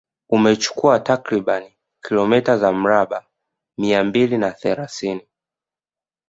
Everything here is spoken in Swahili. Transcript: Umechukua takribani kilomita za mraba mia mbili na thelathini